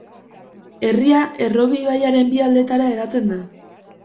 Herria Errobi ibaiaren bi aldeetara hedatzen da.